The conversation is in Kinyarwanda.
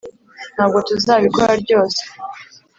ntabwo tuzabikora ryose